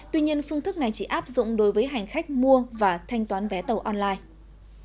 tuy nhiên phương thức này chỉ áp dụng đối với hành khách mua và thanh toán vé tàu online